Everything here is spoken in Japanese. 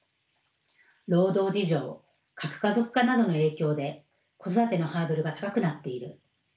労働事情核家族化などの影響で子育てのハードルが高くなっている。